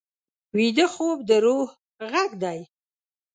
ویده خوب د روح غږ دی